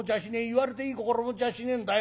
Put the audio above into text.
言われていい心持ちはしねえんだよ。